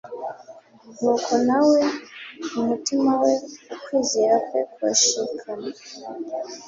Nuko na we mu mutima we, ukwizera kwe kurashikama.